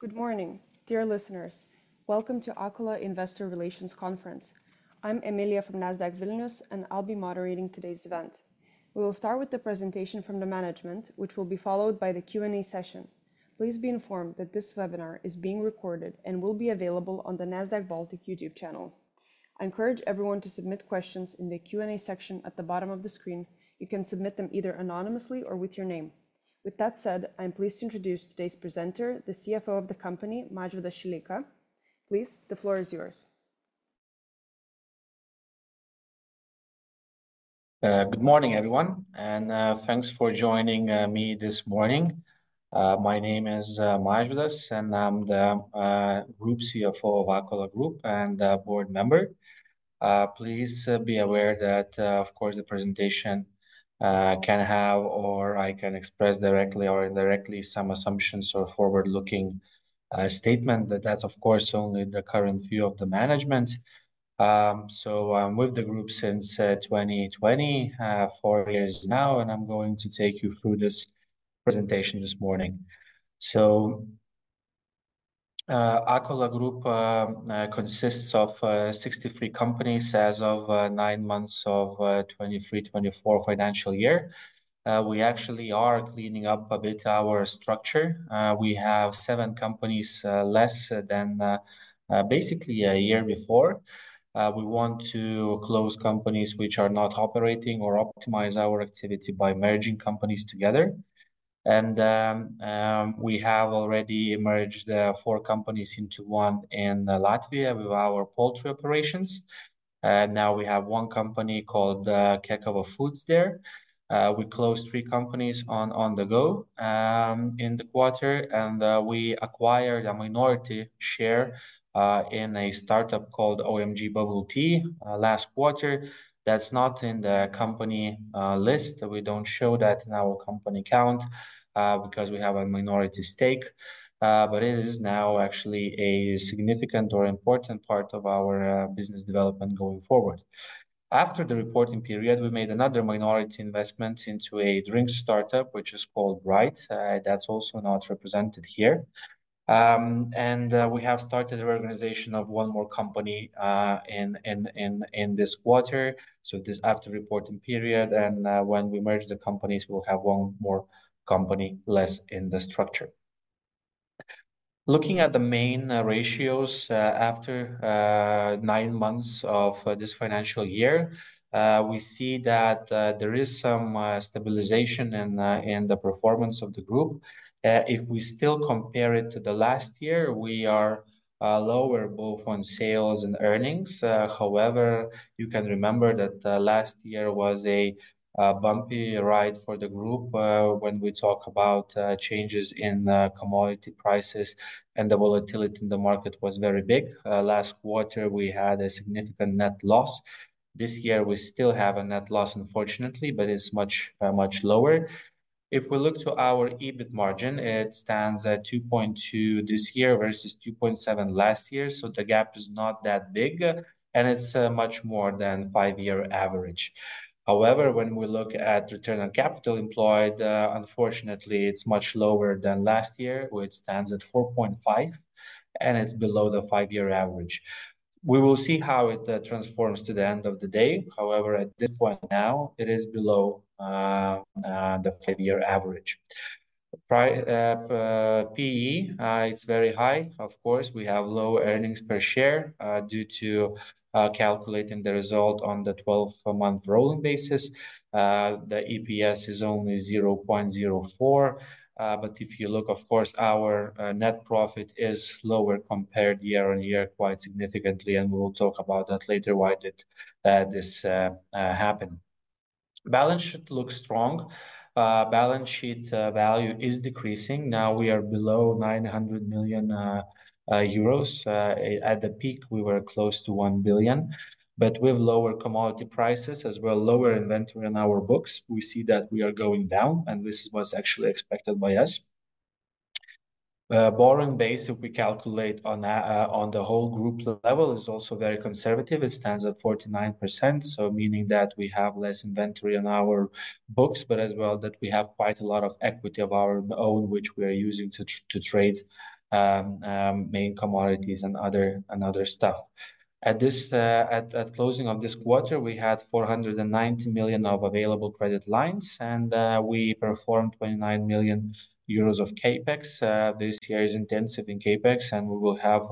Good morning, dear listeners. Welcome to Akola Investor Relations Conference. I'm Emilija from Nasdaq Vilnius, and I'll be moderating today's event. We will start with the presentation from the management, which will be followed by the Q&A session. Please be informed that this webinar is being recorded and will be available on the Nasdaq Baltic YouTube channel. I encourage everyone to submit questions in the Q&A section at the bottom of the screen. You can submit them either anonymously or with your name. With that said, I'm pleased to introduce today's presenter, the CFO of the company, Mažvydas Šileika. Please, the floor is yours. Good morning, everyone, and thanks for joining me this morning. My name is Mažvydas, and I'm the Group CFO of Akola Group and a board member. Please be aware that, of course, the presentation can have, or I can express directly or indirectly, some assumptions or forward-looking statement, that's, of course, only the current view of the management. So I'm with the group since 2020, four years now, and I'm going to take you through this presentation this morning. So, Akola Group consists of 63 companies as of nine months of 2023/2024 financial year. We actually are cleaning up a bit our structure. We have seven companies less than basically a year before. We want to close companies which are not operating or optimize our activity by merging companies together. We have already merged four companies into one in Latvia with our poultry operations, and now we have one company called Ķekava Foods there. We closed three companies on the go in the quarter, and we acquired a minority share in a start-up called OMG Bubble Tea last quarter. That's not in the company list. We don't show that in our company count because we have a minority stake, but it is now actually a significant or important part of our business development going forward. After the reporting period, we made another minority investment into a drink start-up, which is called Brite. That's also not represented here. And we have started reorganization of one more company in this quarter, so this after reporting period, and when we merge the companies, we'll have one more company less in the structure. Looking at the main ratios after nine months of this financial year, we see that there is some stabilization in the performance of the group. If we still compare it to the last year, we are lower both on sales and earnings. However, you can remember that last year was a bumpy ride for the group, when we talk about changes in commodity prices, and the volatility in the market was very big. Last quarter, we had a significant net loss. This year, we still have a net loss, unfortunately, but it's much, much lower. If we look to our EBIT margin, it stands at 2.2% this year versus 2.7% last year, so the gap is not that big, and it's, much more than five-year average. However, when we look at return on capital employed, unfortunately, it's much lower than last year, where it stands at 4.5%, and it's below the five-year average. We will see how it, transforms to the end of the day. However, at this point now, it is below, the five-year average. P/E, it's very high. Of course, we have low earnings per share, due to, calculating the result on the 12-month rolling basis. The EPS is only 0.04, but if you look, of course, our net profit is lower compared year-on-year, quite significantly, and we'll talk about that later, why did this happen. Balance sheet looks strong. Balance sheet value is decreasing. Now we are below 900 million euros. At the peak, we were close to 1 billion, but with lower commodity prices as well lower inventory on our books, we see that we are going down, and this is what's actually expected by us. Borrowing base, if we calculate on the whole group level, is also very conservative. It stands at 49%, so meaning that we have less inventory on our books, but as well, that we have quite a lot of equity of our own, which we are using to trade main commodities and other and other stuff. At this, at closing of this quarter, we had 490 million of available credit lines, and we performed 29 million euros of CapEx. This year is intensive in CapEx, and we will have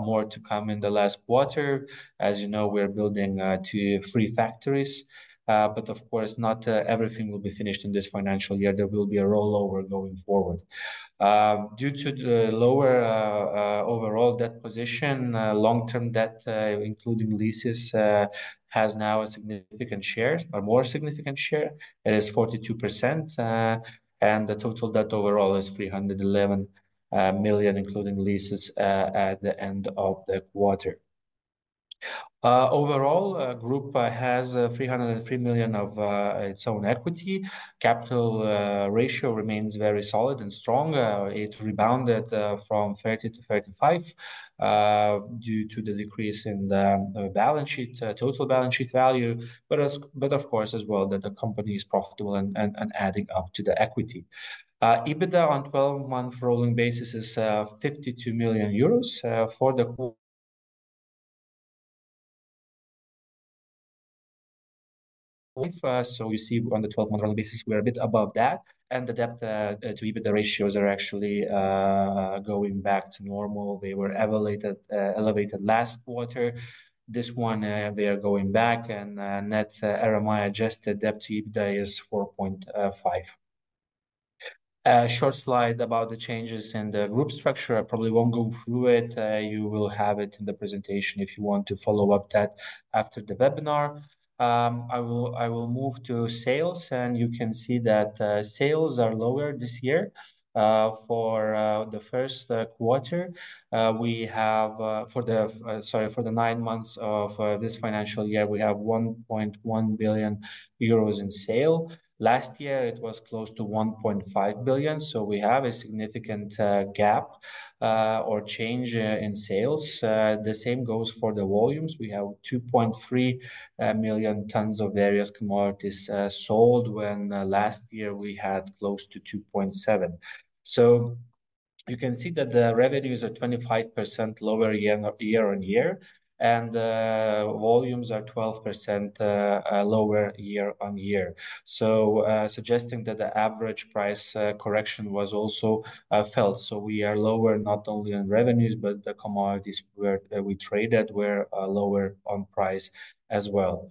more to come in the last quarter. As you know, we're building two, three factories, but of course, not everything will be finished in this financial year. There will be a rollover going forward. Due to the lower overall debt position, long-term debt, including leases, has now a significant share, a more significant share. It is 42%, and the total debt overall is 311 million, including leases, at the end of the quarter. Overall, group has 303 million of its own equity. Capital ratio remains very solid and strong. It rebounded from 30% to 35% due to the decrease in the balance sheet total balance sheet value, but of course, as well, that the company is profitable and adding up to the equity. EBITDA on 12-month rolling basis is 52 million euros for the quarter. So you see on the 12-month basis, we're a bit above that, and the debt to EBITDA ratios are actually going back to normal. They were elevated, elevated last quarter. This one, we are going back and net RMI-adjusted debt to EBITDA is 4.5. Short slide about the changes in the group structure. I probably won't go through it. You will have it in the presentation if you want to follow up that after the webinar. I will move to sales, and you can see that sales are lower this year. For the nine months of this financial year, we have 1.1 billion euros in sale. Last year it was close to 1.5 billion, so we have a significant gap or change in sales. The same goes for the volumes. We have 2.3 million tons of various commodities sold, when last year we had close to 2.7 million tons. So you can see that the revenues are 25% lower year-on-year, and volumes are 12% lower year-on-year. So suggesting that the average price correction was also felt. So we are lower not only on revenues, but the commodities where we traded were lower on price as well.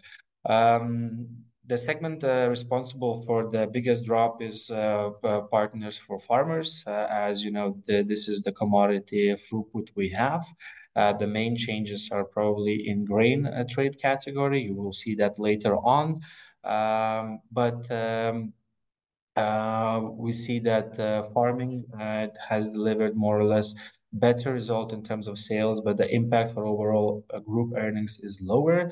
The segment responsible for the biggest drop is Partners for Farmers. As you know, this is the commodity throughput we have. The main changes are probably in grain trade category. You will see that later on. But we see that farming has delivered more or less better result in terms of sales, but the impact for overall group earnings is lower.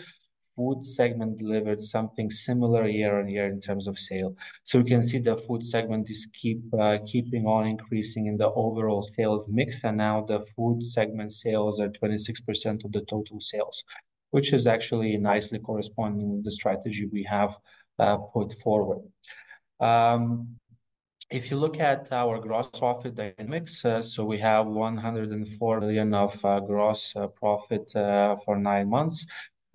Food segment delivered something similar year-on-year in terms of sale. So you can see the food segment is keeping on increasing in the overall sales mix, and now the food segment sales are 26% of the total sales, which is actually nicely corresponding with the strategy we have put forward. If you look at our gross profit dynamics, so we have 104 million of gross profit for nine months,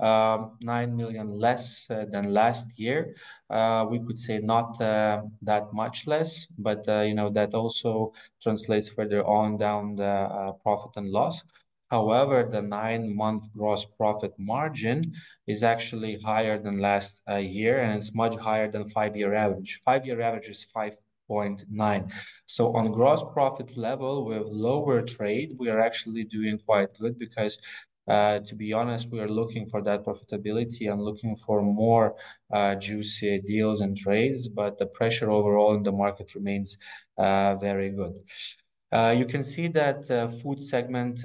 9 million less than last year. We could say not that much less, but, you know, that also translates further on down the profit and loss. However, the nine-month gross profit margin is actually higher than last year, and it's much higher than five-year average. Five-year average is 5.9. So on gross profit level, with lower trade, we are actually doing quite good because, to be honest, we are looking for that profitability and looking for more juicy deals and trades, but the pressure overall in the market remains very good. You can see that food segment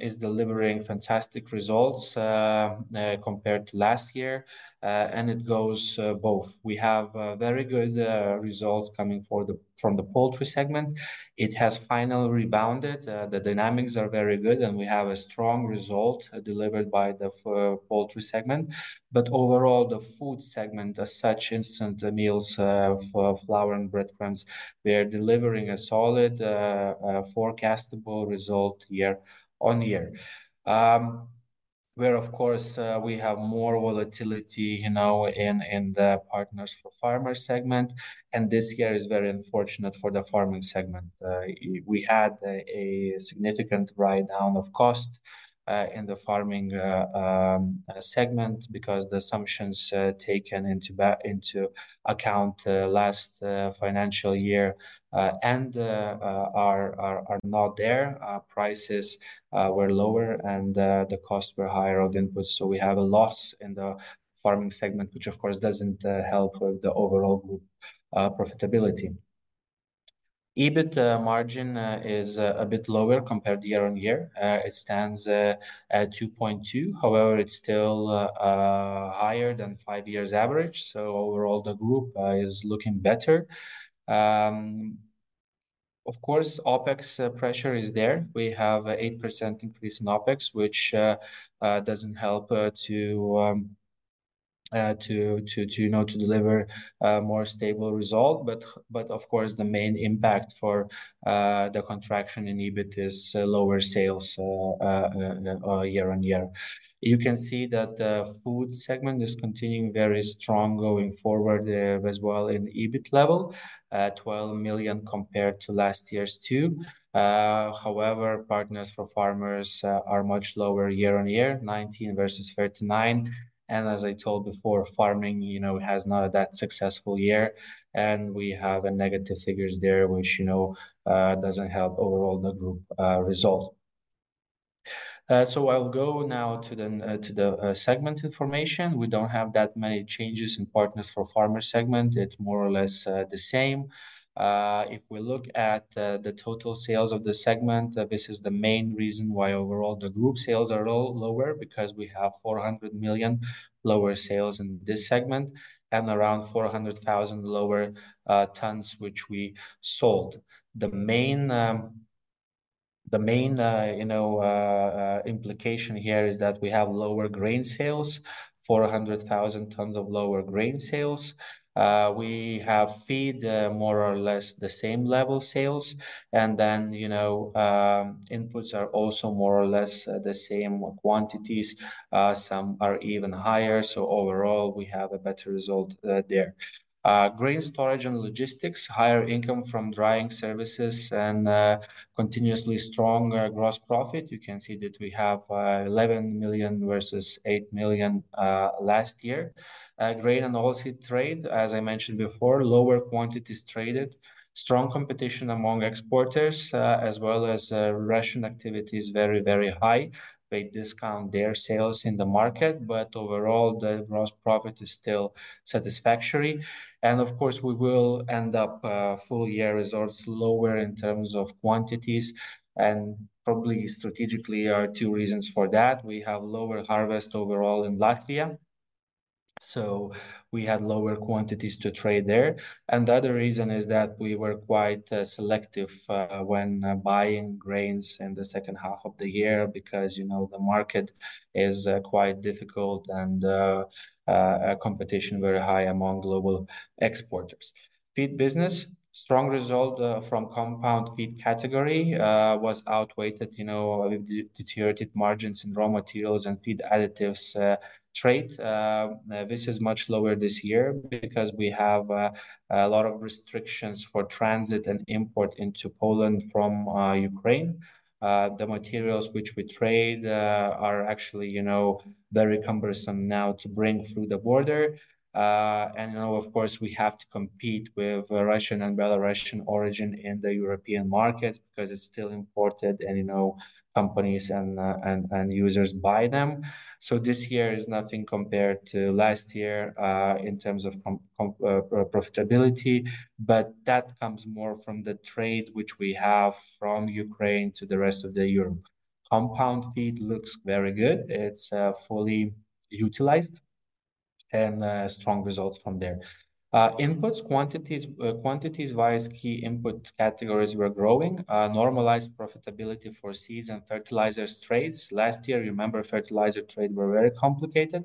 is delivering fantastic results compared to last year. And it goes both. We have very good results coming from the poultry segment. It has finally rebounded. The dynamics are very good, and we have a strong result delivered by the poultry segment. But overall, the food segment, as such, instant meals, flour and breadcrumbs, we are delivering a solid, forecastable result year on year. Where of course, we have more volatility, you know, in the Partners for Farmers segment, and this year is very unfortunate for the farming segment. We had a significant write-down of cost in the farming segment because the assumptions taken into account last financial year and are not there. Prices were lower and the cost were higher of inputs. So we have a loss in the farming segment, which of course, doesn't help with the overall group profitability. EBIT margin is a bit lower compared year-on-year. It stands at 2.2%. However, it's still higher than five-year average, so overall, the group is looking better. Of course, OpEx pressure is there. We have an 8% increase in OpEx, which doesn't help, you know, to deliver a more stable result. But of course, the main impact for the contraction in EBIT is lower sales year-on-year. You can see that the food segment is continuing very strong going forward as well in EBIT level, 12 million compared to last year's 2 million. However, Partners for Farmers are much lower year-on-year, 19 million versus 39 million. As I told before, farming, you know, has not that successful year, and we have negative figures there, which, you know, doesn't help overall the group result. So I'll go now to the segment information. We don't have that many changes in Partners for Farmers segment. It's more or less the same. If we look at the total sales of the segment, this is the main reason why overall the group sales are lower, because we have 400 million lower sales in this segment and around 400,000 lower tons, which we sold. The main, you know, implication here is that we have lower grain sales, 400,000 tons of lower grain sales. We have feed, more or less the same level sales and then, you know, inputs are also more or less the same quantities. Some are even higher, so overall, we have a better result there. Grain storage and logistics, higher income from drying services and continuously stronger gross profit. You can see that we have 11 million versus 8 million last year. Grain and oilseed trade, as I mentioned before, lower quantities traded. Strong competition among exporters, as well as Russian activity is very, very high. They discount their sales in the market, but overall, the gross profit is still satisfactory. And, of course, we will end up full year results lower in terms of quantities, and probably strategically, are two reasons for that. We have lower harvest overall in Latvia, so we had lower quantities to trade there. The other reason is that we were quite selective when buying grains in the second half of the year, because, you know, the market is quite difficult and competition very high among global exporters. Feed business, strong result from compound feed category was outweighed, you know, with the deteriorated margins in raw materials and feed additives trade. This is much lower this year because we have a lot of restrictions for transit and import into Poland from Ukraine. The materials which we trade are actually, you know, very cumbersome now to bring through the border. And now, of course, we have to compete with Russian and Belarusian origin in the European market because it's still imported and, you know, companies and users buy them. So this year is nothing compared to last year, in terms of profitability, but that comes more from the trade which we have from Ukraine to the rest of the Europe. Compound feed looks very good. It's fully utilized and strong results from there. Inputs, quantities-wise, key input categories were growing. Normalized profitability for seeds and fertilizers trades. Last year, you remember, fertilizer trade were very complicated.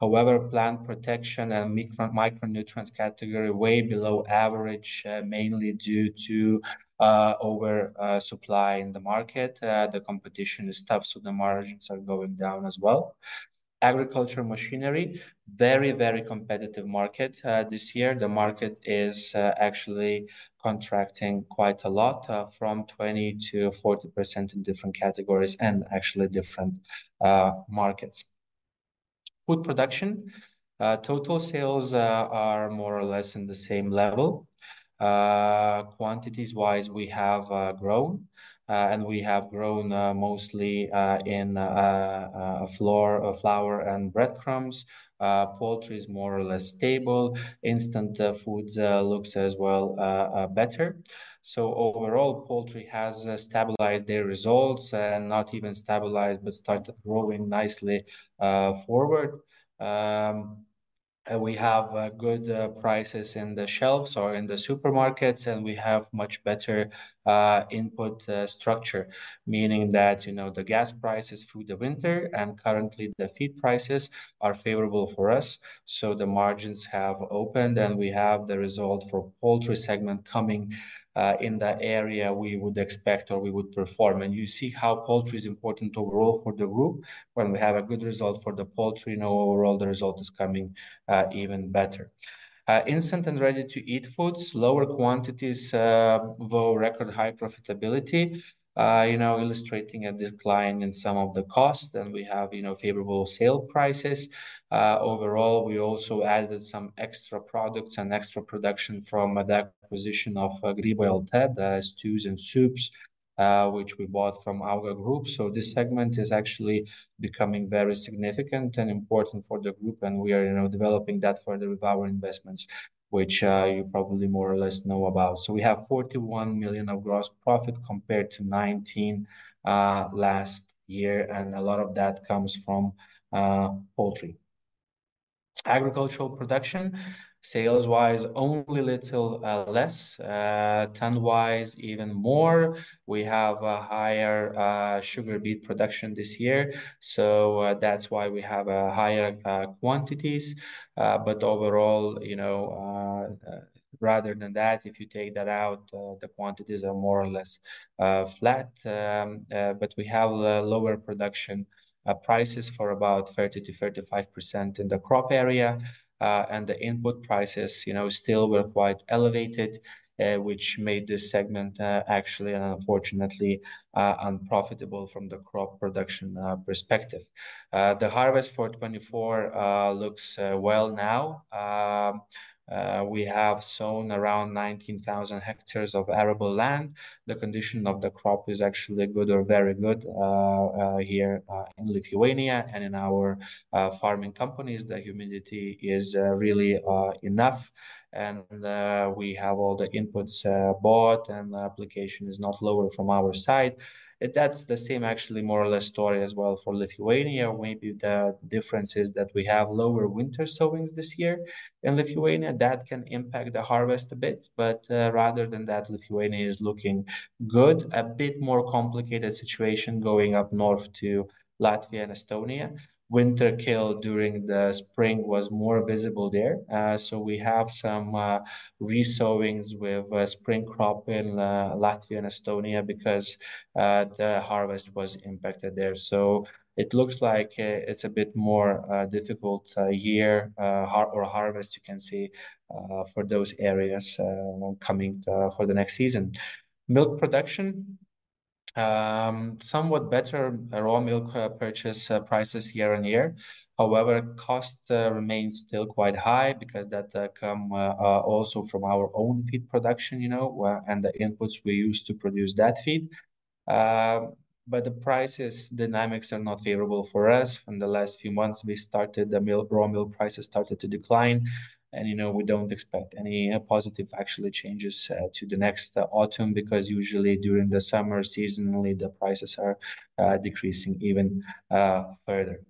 However, plant protection and micronutrients category, way below average, mainly due to oversupply in the market. The competition is tough, so the margins are going down as well. Agricultural machinery, very, very competitive market, this year. The market is actually contracting quite a lot, from 20%-40% in different categories and actually different markets. Food production, total sales, are more or less in the same level. Quantities-wise, we have grown, and we have grown mostly in flour, flour and breadcrumbs. Poultry is more or less stable. Instant foods looks as well better. So overall, poultry has stabilized their results, and not even stabilized, but started growing nicely forward. We have good prices in the shelves or in the supermarkets, and we have much better input structure. Meaning that, you know, the gas prices through the winter and currently the feed prices are favorable for us. So the margins have opened, and we have the result for poultry segment coming in the area we would expect or we would perform. And you see how poultry is important overall for the group. When we have a good result for the poultry, you know, overall the result is coming even better. Instant and ready-to-eat foods, lower quantities, though record high profitability, you know, illustrating a decline in some of the cost, and we have, you know, favorable sale prices. Overall, we also added some extra products and extra production from the acquisition of Grybai LT, stews and soups, which we bought from AUGA Group. So this segment is actually becoming very significant and important for the group, and we are, you know, developing that further with our investments, which you probably more or less know about. So we have 41 million of gross profit compared to 19 million last year, and a lot of that comes from poultry. Agricultural production, sales-wise, only little less ton-wise, even more. We have a higher sugar beet production this year, so that's why we have a higher quantities. But overall, you know, rather than that, if you take that out, the quantities are more or less flat. But we have a lower production prices for about 30%-35% in the crop area. And the input prices, you know, still were quite elevated, which made this segment actually and unfortunately unprofitable from the crop production perspective. The harvest for 2024 looks well now. We have sown around 19,000 hectares of arable land. The condition of the crop is actually good or very good here in Lithuania and in our farming companies. The humidity is really enough, and we have all the inputs bought, and application is not lower from our side. That's the same, actually, more or less story as well for Lithuania. Maybe the difference is that we have lower winter sowings this year in Lithuania. That can impact the harvest a bit, but rather than that, Lithuania is looking good. A bit more complicated situation going up north to Latvia and Estonia. Winter kill during the spring was more visible there. So we have some re-sowings with spring crop in Latvia and Estonia because the harvest was impacted there. So it looks like it's a bit more difficult year or harvest you can see for those areas coming for the next season. Milk production? Somewhat better raw milk purchase prices year on year. However, cost remains still quite high because that come also from our own feed production, you know, and the inputs we use to produce that feed. But the prices dynamics are not favorable for us. In the last few months, raw milk prices started to decline, and, you know, we don't expect any positive actually changes to the next autumn, because usually during the summer seasonally, the prices are decreasing even further.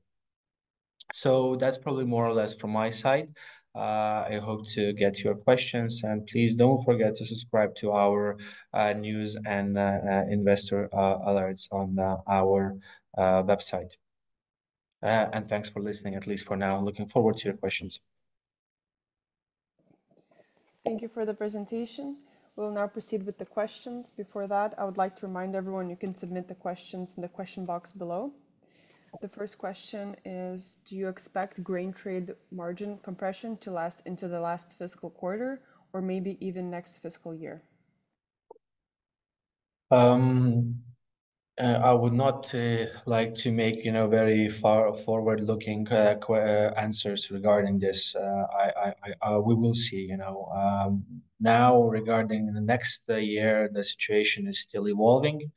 So that's probably more or less from my side. I hope to get your questions, and please don't forget to subscribe to our news and investor alerts on our website. And thanks for listening, at least for now. Looking forward to your questions. Thank you for the presentation. We'll now proceed with the questions. Before that, I would like to remind everyone you can submit the questions in the question box below. The first question is: Do you expect grain trade margin compression to last into the last fiscal quarter or maybe even next fiscal year? I would not like to make, you know, very far forward-looking answers regarding this. We will see, you know. Now, regarding the next year, the situation is still evolving.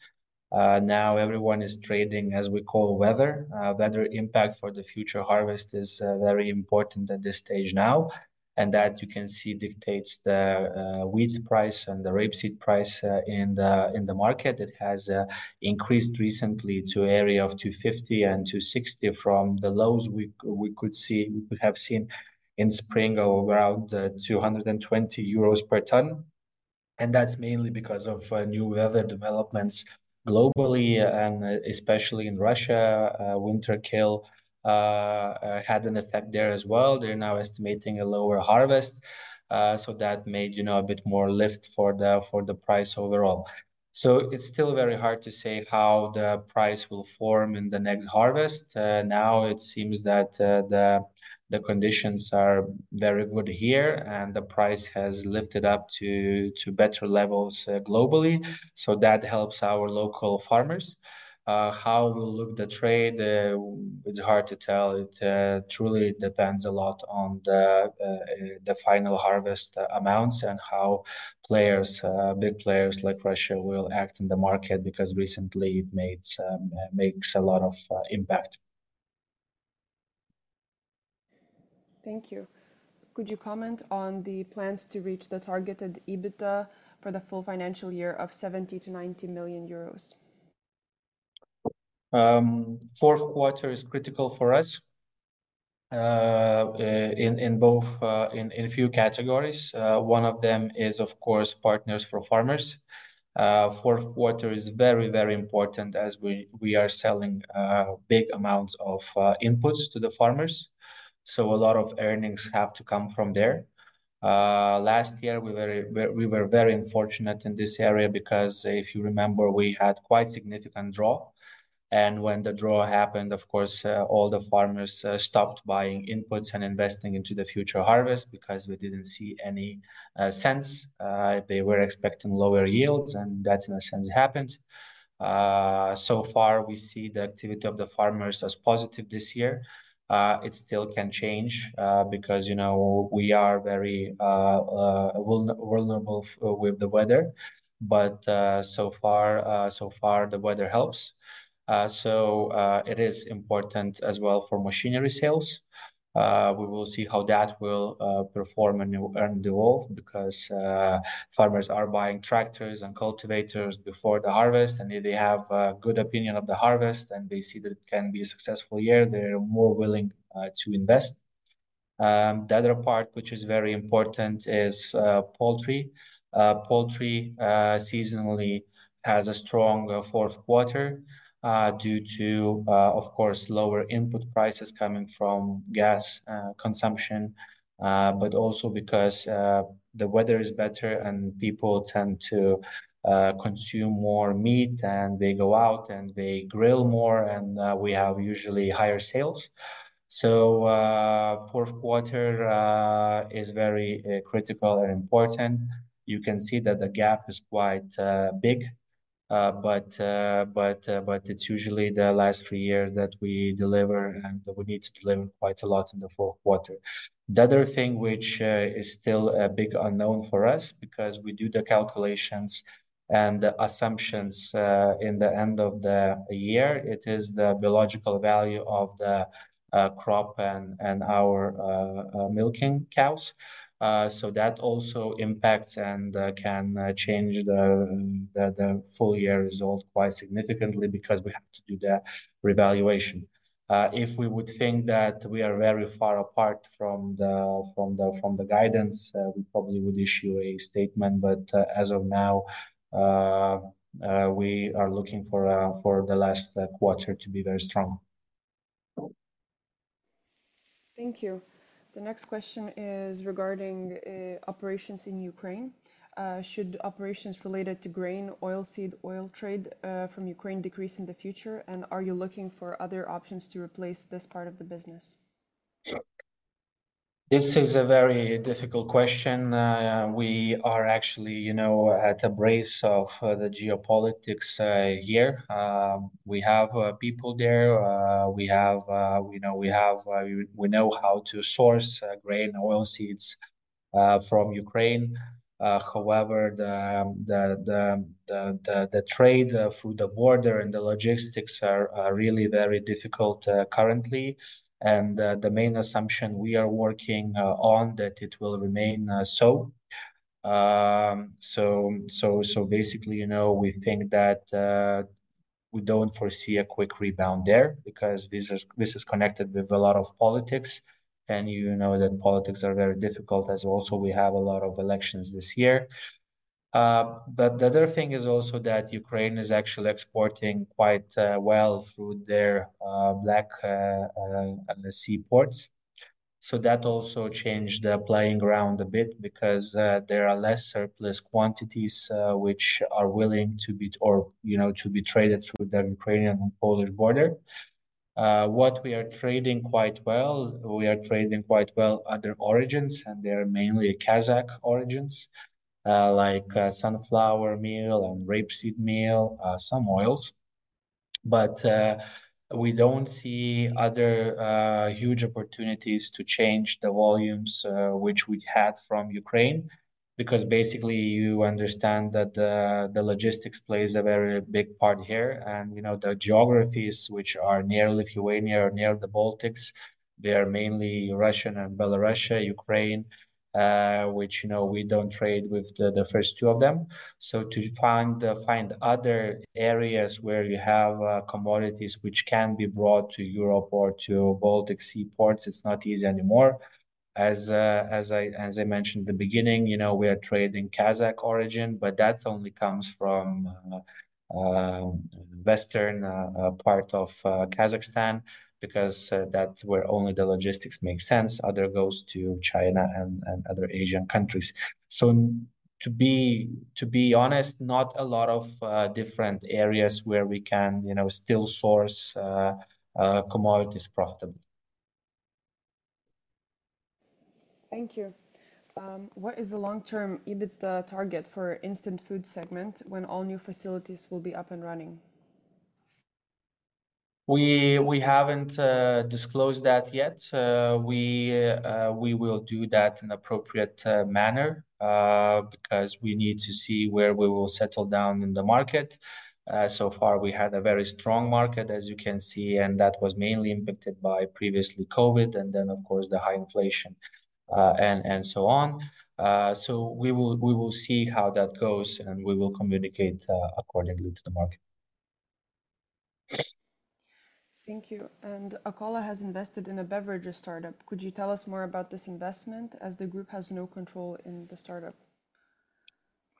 Now everyone is trading, as we call, weather. Weather impact for the future harvest is very important at this stage now, and that, you can see, dictates the wheat price and the rapeseed price in the market. It has increased recently to an area of 250-260 from the lows we have seen in spring of around 220 euros per ton. And that's mainly because of new weather developments globally, and especially in Russia. Winter kill had an effect there as well. They're now estimating a lower harvest. So that made, you know, a bit more lift for the price overall. So it's still very hard to say how the price will form in the next harvest. Now it seems that the conditions are very good here, and the price has lifted up to better levels globally, so that helps our local farmers. How will look the trade? It's hard to tell. It truly depends a lot on the final harvest amounts and how big players like Russia will act in the market, because recently it makes a lot of impact. Thank you. Could you comment on the plans to reach the targeted EBITDA for the full financial year of 70 million-90 million euros? Fourth quarter is critical for us in both, in a few categories. One of them is, of course, Partners for Farmers. Fourth quarter is very, very important as we are selling big amounts of inputs to the farmers, so a lot of earnings have to come from there. Last year, we were very unfortunate in this area because if you remember, we had quite significant drought. And when the drought happened, of course, all the farmers stopped buying inputs and investing into the future harvest because we didn't see any sense. They were expecting lower yields, and that, in a sense, happened. So far, we see the activity of the farmers as positive this year. It still can change, because, you know, we are very vulnerable with the weather. But so far, the weather helps. So it is important as well for machinery sales. We will see how that will perform and earn the wealth, because farmers are buying tractors and cultivators before the harvest. And if they have a good opinion of the harvest, and they see that it can be a successful year, they're more willing to invest. The other part, which is very important, is poultry. Poultry seasonally has a strong fourth quarter due to, of course, lower input prices coming from gas consumption, but also because the weather is better, and people tend to consume more meat, and they go out, and they grill more. We have usually higher sales. So, fourth quarter is very critical and important. You can see that the gap is quite big, but it's usually the last three years that we deliver, and we need to deliver quite a lot in the fourth quarter. The other thing, which is still a big unknown for us because we do the calculations and the assumptions in the end of the year, it is the biological value of the crop and our milking cows. So that also impacts and can change the full year result quite significantly because we have to do the revaluation. If we would think that we are very far apart from the guidance, we probably would issue a statement. But, as of now, we are looking for the last quarter to be very strong. Thank you. The next question is regarding operations in Ukraine. Should operations related to grain, oil seed, oil trade from Ukraine decrease in the future? And are you looking for other options to replace this part of the business? This is a very difficult question. We are actually, you know, at the brunt of the geopolitics here. We have people there. You know, we know how to source grain and oilseeds from Ukraine. However, the trade through the border and the logistics are really very difficult currently. And the main assumption we are working on is that it will remain so. So basically, you know, we think that we don't foresee a quick rebound there because this is connected with a lot of politics. And you know that politics are very difficult, and also we have a lot of elections this year. But the other thing is also that Ukraine is actually exporting quite, well through their Black Sea ports. So that also changed the playing ground a bit because there are less surplus quantities, which are willing to be traded through the Ukrainian-Polish border. What we are trading quite well, we are trading quite well other origins, and they are mainly Kazakh origins, like sunflower meal and rapeseed meal, some oils. But we don't see other huge opportunities to change the volumes, which we had from Ukraine, because basically, you understand that the logistics plays a very big part here. And, you know, the geographies which are near Lithuania or near the Baltics, they are mainly Russia and Belarus, Ukraine, which, you know, we don't trade with the first two of them. So to find other areas where you have commodities which can be brought to Europe or to Baltic Sea ports, it's not easy anymore. As I mentioned at the beginning, you know, we are trading Kazakh origin, but that's only comes from western part of Kazakhstan because that's where only the logistics make sense. Other goes to China and other Asian countries. So to be honest, not a lot of different areas where we can, you know, still source commodities properly. Thank you. What is the long-term EBITDA target for instant food segment when all new facilities will be up and running? We haven't disclosed that yet. We will do that in appropriate manner because we need to see where we will settle down in the market. So far, we had a very strong market, as you can see, and that was mainly impacted by previously COVID, and then, of course, the high inflation, and so on. So we will see how that goes, and we will communicate accordingly to the market. Thank you. Akola has invested in a beverage start-up. Could you tell us more about this investment, as the group has no control in the start-up?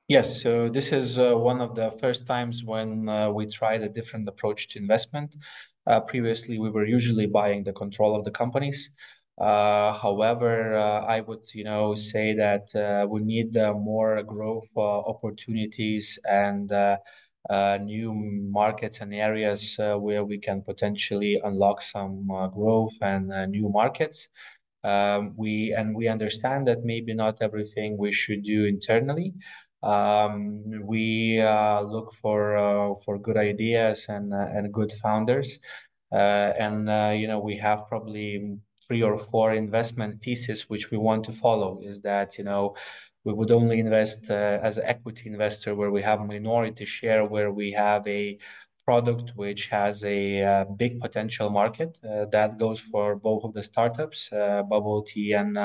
Yes. So this is one of the first times when we tried a different approach to investment. Previously, we were usually buying the control of the companies. However, I would, you know, say that we need more growth opportunities and new markets and areas where we can potentially unlock some growth and new markets. And we understand that maybe not everything we should do internally. We look for good ideas and good founders. And, you know, we have probably three or four investment pieces which we want to follow, is that, you know, we would only invest as an equity investor, where we have a minority share, where we have a product which has a big potential market. That goes for both of the start-ups. Bubble Tea and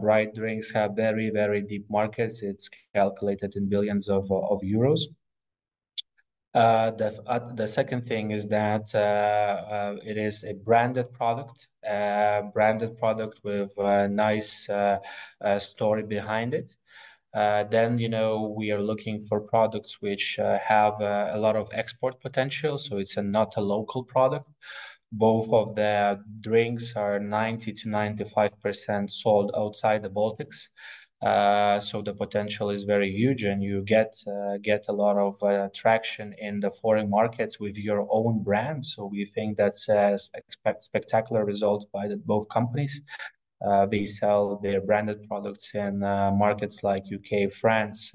Brite Drinks have very, very deep markets. It's calculated in billions of euros. The second thing is that it is a branded product with a nice story behind it. Then, you know, we are looking for products which have a lot of export potential, so it's not a local product. Both of the drinks are 90%-95% sold outside the Baltics. So the potential is very huge, and you get a lot of traction in the foreign markets with your own brand. So we think that's spectacular results by the both companies. They sell their branded products in markets like U.K., France,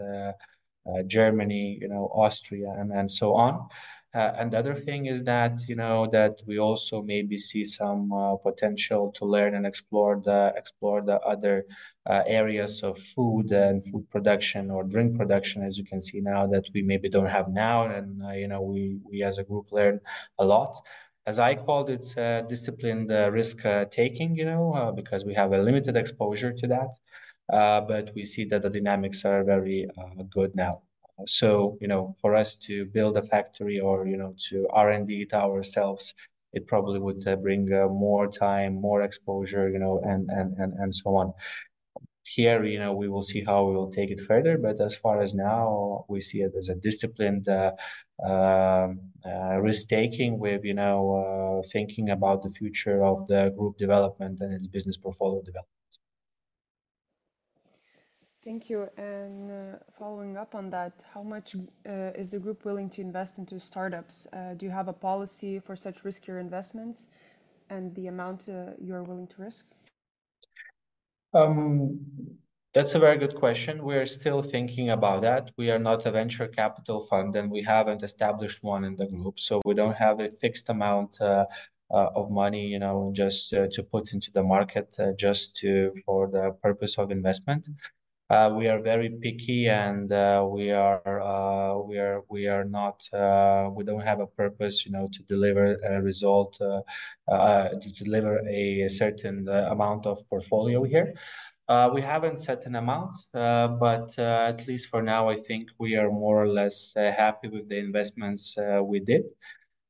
Germany, you know, Austria, and so on. And the other thing is that, you know, that we also maybe see some potential to learn and explore the other areas of food and food production or drink production, as you can see now, that we maybe don't have now. And, you know, we as a group learn a lot. As I called it, disciplined risk taking, you know, because we have a limited exposure to that. But we see that the dynamics are very good now. So, you know, for us to build a factory or, you know, to R&D it ourselves, it probably would bring more time, more exposure, you know, and so on. Here, you know, we will see how we will take it further, but as far as now, we see it as a disciplined risk-taking with, you know, thinking about the future of the group development and its business portfolio development. Thank you. Following up on that, how much is the group willing to invest into start-ups? Do you have a policy for such riskier investments and the amount you are willing to risk? That's a very good question. We are still thinking about that. We are not a venture capital fund, and we haven't established one in the group, so we don't have a fixed amount of money, you know, just to put into the market just for the purpose of investment. We are very picky, and we don't have a purpose, you know, to deliver a result to deliver a certain amount of portfolio here. We haven't set an amount, but at least for now, I think we are more or less happy with the investments we did.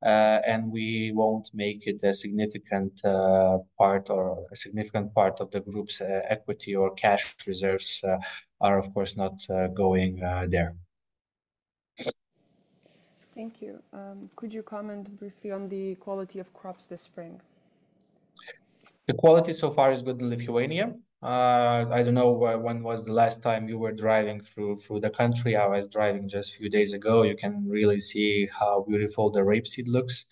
We won't make it a significant part or a significant part of the group's equity or cash reserves are, of course, not going there. Thank you. Could you comment briefly on the quality of crops this spring? The quality so far is good in Lithuania. I don't know when was the last time you were driving through the country. I was driving just a few days ago. You can really see how beautiful the rapeseed looks,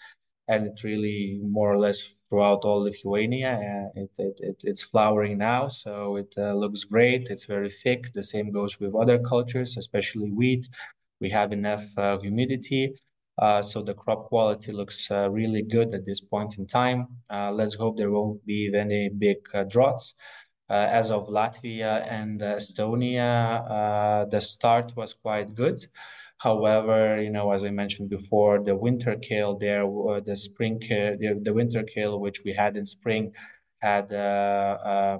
and it really more or less throughout all Lithuania. It's flowering now, so it looks great. It's very thick. The same goes with other cultures, especially wheat. We have enough humidity, so the crop quality looks really good at this point in time. Let's hope there won't be any big droughts. As of Latvia and Estonia, the start was quite good. However, you know, as I mentioned before, the winter kill, which we had in spring, had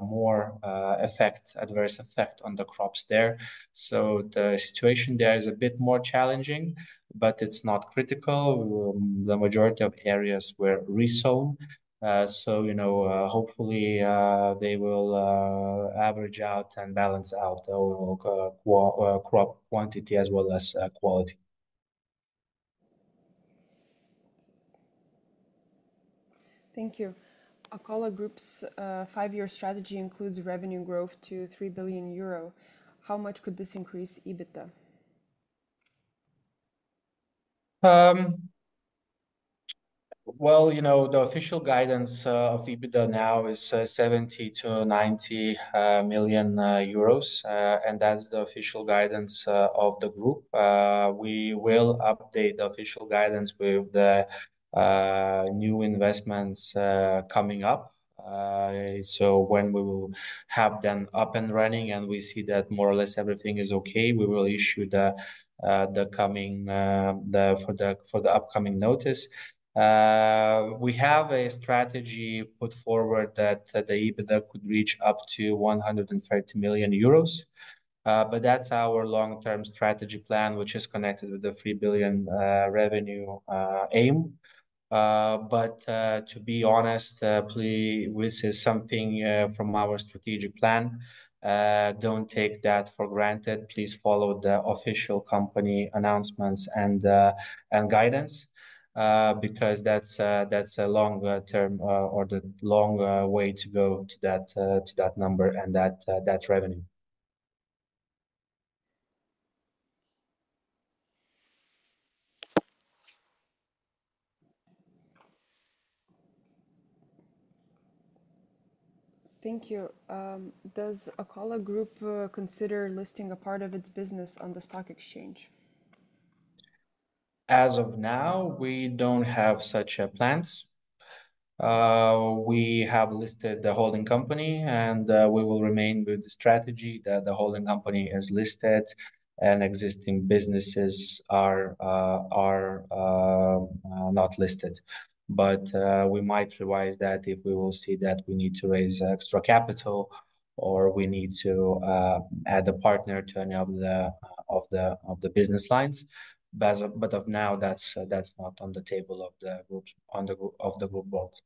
more adverse effect on the crops there. So the situation there is a bit more challenging, but it's not critical. The majority of areas were resown. So, you know, hopefully, they will average out and balance out the overall crop quantity as well as quality. Thank you. Akola Group's five-year strategy includes revenue growth to 3 billion euro. How much could this increase EBITDA? Well, you know, the official guidance of EBITDA now is 70 million-90 million euros, and that's the official guidance of the group. We will update the official guidance with the new investments coming up. So when we will have them up and running, and we see that more or less everything is okay, we will issue the upcoming notice. We have a strategy put forward that the EBITDA could reach up to 130 million euros. But that's our long-term strategy plan, which is connected with the 3 billion revenue aim. But to be honest, please, this is something from our strategic plan. Don't take that for granted. Please follow the official company announcements and guidance, because that's a long term or the long way to go to that number and that revenue. Thank you. Does Akola Group consider listing a part of its business on the stock exchange? As of now, we don't have such plans. We have listed the holding company, and we will remain with the strategy that the holding company has listed, and existing businesses are not listed. But we might revise that if we will see that we need to raise extra capital, or we need to add a partner to any of the business lines. But as of now, that's not on the table of the group board.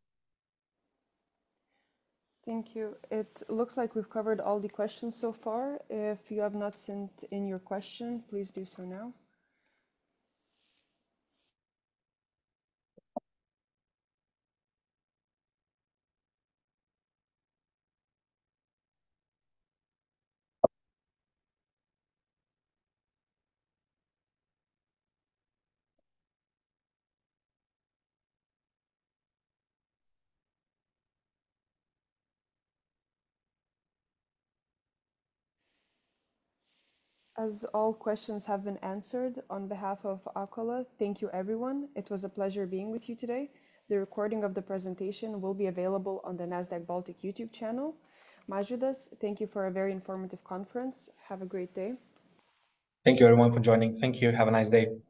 Thank you. It looks like we've covered all the questions so far. If you have not sent in your question, please do so now. As all questions have been answered, on behalf of Akola, thank you, everyone. It was a pleasure being with you today. The recording of the presentation will be available on the Nasdaq Baltic YouTube channel. Mažvydas, thank you for a very informative conference. Have a great day. Thank you, everyone, for joining. Thank you. Have a nice day.